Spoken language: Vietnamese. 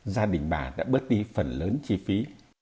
gia đình bà đã bớt đi phần lớn chi phí